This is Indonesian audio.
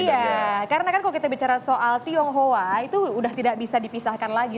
iya karena kan kalau kita bicara soal tionghoa itu sudah tidak bisa dipisahkan lagi